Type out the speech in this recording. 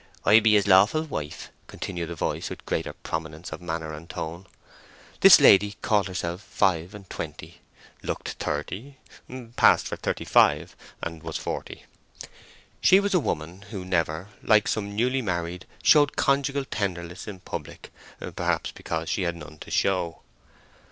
"I be his lawful wife!" continued the voice with greater prominence of manner and tone. This lady called herself five and twenty, looked thirty, passed as thirty five, and was forty. She was a woman who never, like some newly married, showed conjugal tenderness in public, perhaps because she had none to show.